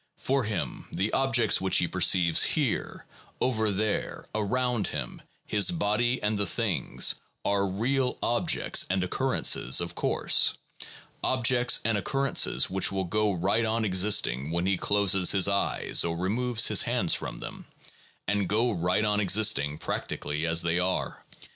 For him the objects which he perceives here, over there, around him, his body and the things, are real objects and occurrences, of course; objects and occurrences which will go right on existing when he closes his eyes or removes his hands from them, and go right on existing practically as they are.